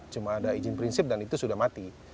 cuma ada izin prinsip dan itu sudah mati